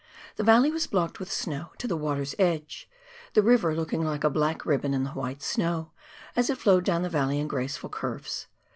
The ralley was blocked with snow to the water's edge, the river looking like a black ribbon in the white snow, as it flowed down the valley in graceful curves.